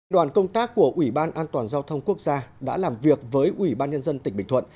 đoàn công tác của ủy ban an toàn giao thông quốc gia đã làm việc với ủy ban nhân dân tỉnh bình thuận